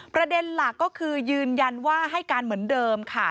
ประเด็นหลักก็คือยืนยันว่าให้การเหมือนเดิมค่ะ